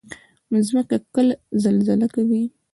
مځکه کله زلزله کوي.